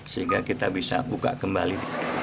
sehingga kita bisa buka kembali